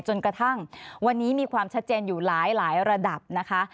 จนกระทั่งวันนี้มีความชัดเจนอยู่หลายระดับนะคะ